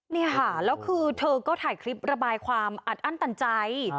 นี่ค่ะแล้วคือเธอก็ถ่ายคลิประบายความอัดอั้นตันใจ